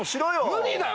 無理だよ！